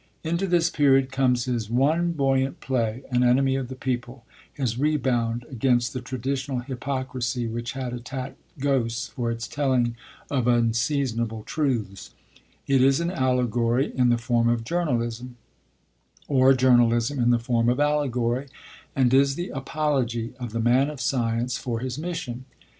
Into this period comes his one buoyant play, An Enemy of the People, his rebound against the traditional hypocrisy which had attacked Ghosts for its telling of unseasonable truths; it is an allegory, in the form of journalism, or journalism in the form of allegory, and is the 'apology' of the man of science for his mission.